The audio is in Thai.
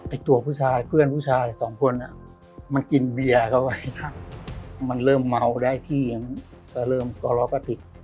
อีกตัวผู้ชายเพื่อนผู้ชายสองคนอ่ะมันกินเบียร์เข้าไว้ครับมันเริ่มเมาได้ที่อย่างเมื่อเริ่มก็เราก็ติด